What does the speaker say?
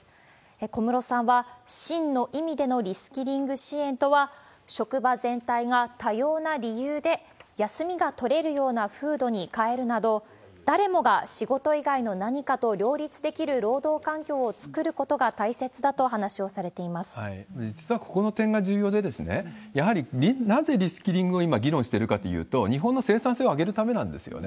小室さんは、真の意味でのリスキリング支援とは、職場全体が多様な理由で休みが取れるような風土に変えるなど、誰もが仕事以外の何かと両立できる労働環境を作ることが大切だと実はここの点が重要で、やはり、なぜリスキリングをいま議論してるかというと、日本の生産性を上げるためなんですよね。